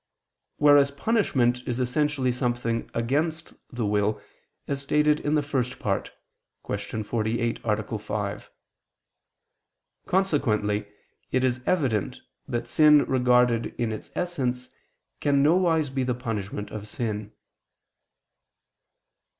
Whereas punishment is essentially something against the will, as stated in the First Part (Q. 48, A. 5). Consequently it is evident that sin regarded in its essence can nowise be the punishment of sin.